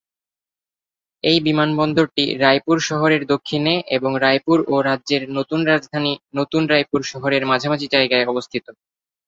এই বিমানবন্দরটি রায়পুর শহরের দক্ষিণে এবং রায়পুর ও রাজ্যের নতুন রাজধানী নতুন রায়পুর শহরের মাঝামাঝি জায়গায় অবস্থিত।